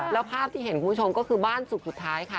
แล้วภาพที่เห็นคุณผู้ชมก็คือบ้านสุขสุดท้ายค่ะ